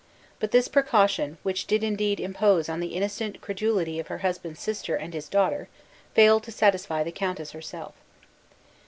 But this precaution, which did indeed impose on the innocent credulty of her husband's sister and his daughter, failed to satisfy the countess herself.